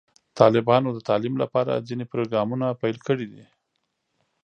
طالبانو د تعلیم لپاره ځینې پروګرامونه پیل کړي دي.